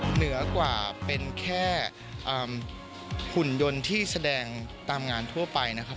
เหนือกว่าเป็นแค่หุ่นยนต์ที่แสดงตามงานทั่วไปนะครับ